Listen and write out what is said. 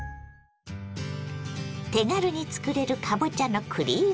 手軽に作れるかぼちゃのクリーム煮。